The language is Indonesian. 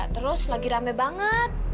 terus lagi rame banget